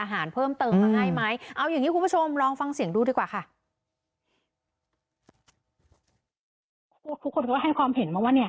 ให้ความเห็นว่ะเนี่ยก็